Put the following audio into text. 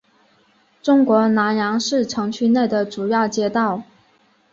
中国南阳市城区内的主要街道。